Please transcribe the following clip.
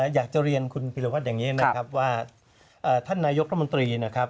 อยากจะเรียนคุณพิรวัตรอย่างนี้นะครับว่าท่านนายกรัฐมนตรีนะครับ